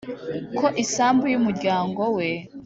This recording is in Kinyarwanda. ko isambu y umuryango we